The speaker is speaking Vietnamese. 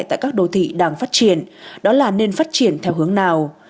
tại các đô thị đang phát triển đó là nên phát triển theo hướng nào